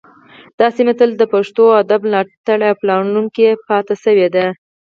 دا سیمه تل د پښتو ادب ملاتړې او پالونکې پاتې شوې ده